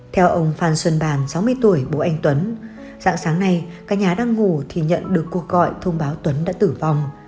theo ông phan xuân bàn sáu mươi tuổi bố anh tuấn dạng sáng nay các nhà đang ngủ thì nhận được cuộc gọi thông báo tuấn đã tử vong